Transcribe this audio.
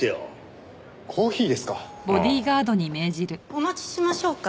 お持ちしましょうか？